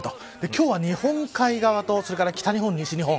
今日は日本海側と北日本、西日本